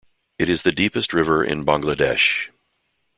It is the deepest river in Bangladesh.